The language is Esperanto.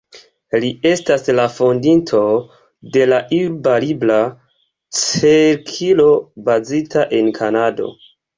Li estas la fondinto de la Urba Libra Cirklo, bazita en Kanado.